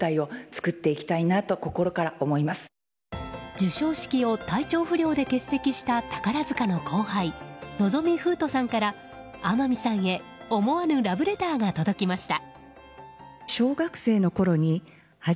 授賞式を体調不良で欠席した宝塚の後輩・望海風斗さんから天海さんへ思わぬラブレターが届きました。